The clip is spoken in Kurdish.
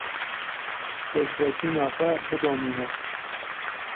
Pêşveçûna xwe bidomîne.